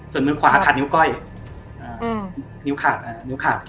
ส่วนมือขวาขาดนิ้วก้อยนิ้วขาดนิ้วขาด